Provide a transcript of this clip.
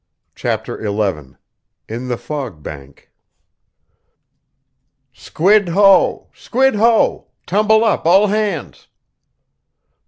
CHAPTER XI IN THE FOG BANK "SQUID ho! Squid ho! Tumble up, all hands!"